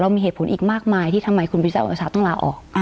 มีเหตุผลอีกมากมายที่ทำไมคุณปีชาโอชาต้องลาออก